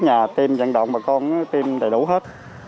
xem phần tiêm chung cấp b burg videos đầu tiên